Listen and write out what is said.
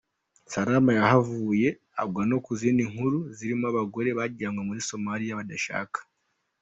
Salama yahavuye agwa no ku zindi nkuru - iz'abagore bajanywe muri Somalia badashaka.